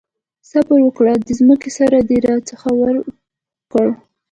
صبره وکړه! د ځمکې سر دې راڅخه ورک کړ.